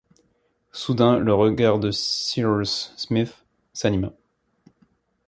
Soudain, le regard de Cyrus Smith s’anima